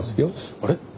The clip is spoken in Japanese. あれ？